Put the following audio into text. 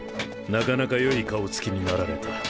なかなか良い顔つきになられた。